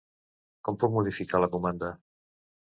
Com puc modificar la comanda?